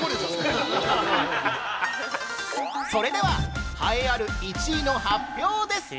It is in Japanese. ◆それでは、栄えある１位の発表です。